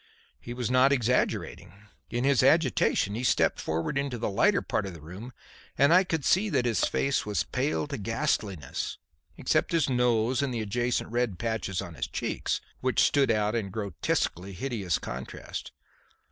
He was not exaggerating. In his agitation, he stepped forward into the lighter part of the room, and I could see that his face was pale to ghastliness except his nose and the adjacent red patches on his cheeks, which stood out in grotesquely hideous contrast.